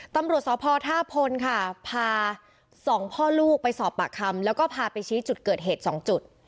ตำรวจสพท่าพลค่ะพาสองพ่อลูกไปสอบปากคำแล้วก็พาไปชี้จุดเกิดเหตุ๒จุด